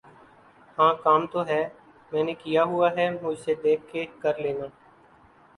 ہاں کام تو ہے۔۔۔ میں نے کیا ہوا ہے مجھ سے دیکھ کے کر لینا۔